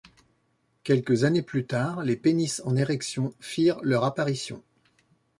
Quelques années plus tard, les pénis en érection firent leur apparition.